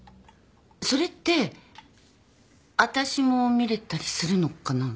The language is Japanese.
それってわたしも見れたりするのかな？